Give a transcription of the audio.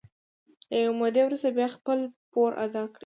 له یوې مودې وروسته باید خپل پور ادا کړي